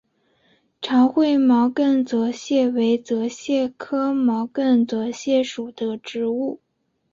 长喙毛茛泽泻为泽泻科毛茛泽泻属的植物。